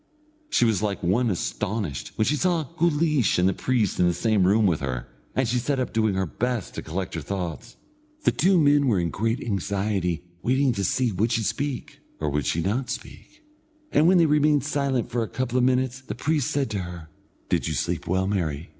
She was like one astonished when she saw Guleesh and the priest in the same room with her, and she sat up doing her best to collect her thoughts. The two men were in great anxiety waiting to see would she speak, or would she not speak, and when they remained silent for a couple of minutes, the priest said to her: "Did you sleep well, Mary?"